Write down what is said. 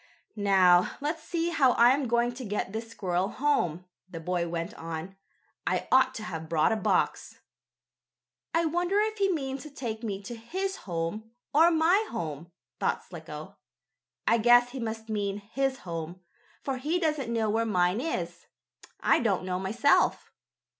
"Now, let's see how I am going to get this little squirrel home," the boy went on. "I ought to have brought a box." "I wonder if he means take me to his home or my home?" thought Slicko. "I guess he must mean his home, for he doesn't know where mine is I don't know myself."